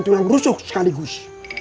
tulang rusuk sekaligus